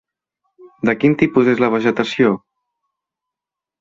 De quin tipus és la vegetació?